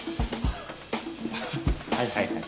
はいはいはい。